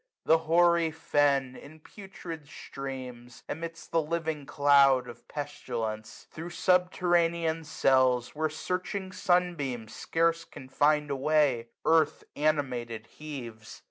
The hoary fen. In putrid steams, emits the living cloud Of pestilence. Thro' subterranean cells. Where searching sun beams scarce can find a way, 295 Earth animated heaves.